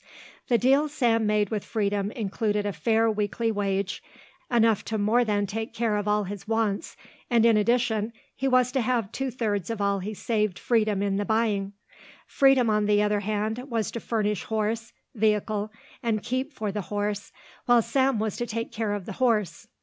The deal Sam made with Freedom included a fair weekly wage, enough to more than take care of all his wants, and in addition he was to have two thirds of all he saved Freedom in the buying. Freedom on the other hand was to furnish horse, vehicle, and keep for the horse, while Sam was to take care of the horse.